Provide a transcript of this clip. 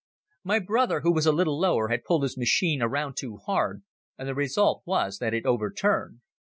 My brother, who was a little lower, had pulled his machine around too hard and the result was that it overturned.